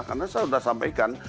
karena saya sudah sampaikan